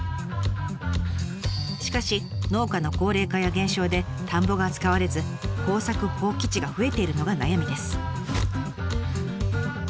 しかし農家の高齢化や減少で田んぼが使われず耕作放棄地が増えているのが悩みです。